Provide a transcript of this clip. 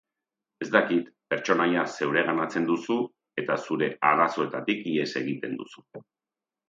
Ez dakit, pertsonaia zeureganatzen duzu eta zure arazoetatik ihes egiten duzu.